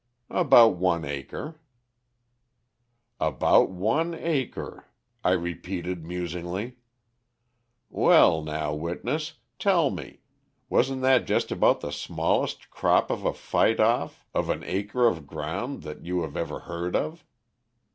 'About one acre'. 'About one acre', I repeated musingly; 'well now witness, tell me, wasn't that just about the smallest crop of a fight off, of an acre of ground that you have ever heard of?